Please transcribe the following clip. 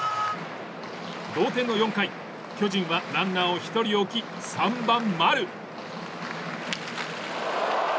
同点の４回巨人はランナー１人を置き３番、丸。